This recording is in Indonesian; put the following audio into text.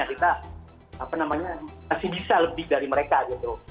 kita masih bisa lebih dari mereka gitu